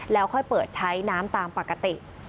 แล้วค่อยเปิดใช้น้ำตามปกติ